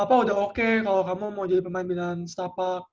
apa udah oke kalau kamu mau jadi pemain binaan setapak